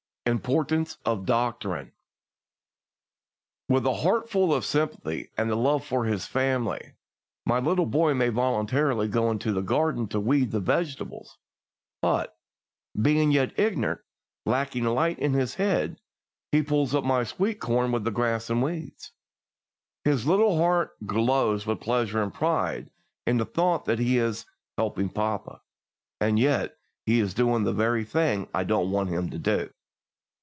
Importance of the Doctrine. With a heart full of sympathy and love for his father my little boy may voluntarily go into the garden to weed the vegetables; but, being yet ignorant, lacking light in his head, he pulls up my sweet corn with the grass and weeds. His little heart glows with pleasure and pride in the thought that he is "helping papa," and yet he is doing the very thing I don't want him to do.